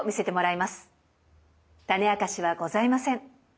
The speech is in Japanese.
タネあかしはございません。